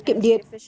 tiết kiệm điện